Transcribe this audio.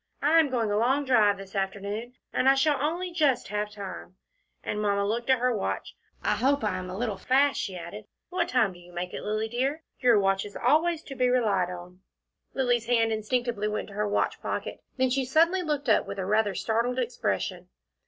I am going a long drive this afternoon, and I shall only just have time," and Mamma looked at her watch. "I hope I am a little fast," she added. "What time do you make it, Lilly dear? Your watch is always to be relied on." Lilly's hand instinctively went to her watch pocket then she suddenly looked up with a rather startled expression.